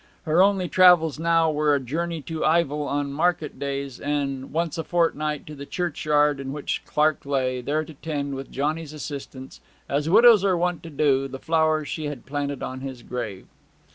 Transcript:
Her only travels now were a journey to Ivell on market days, and once a fortnight to the churchyard in which Clark lay, there to tend, with Johnny's assistance, as widows are wont to do, the flowers she had planted upon his grave.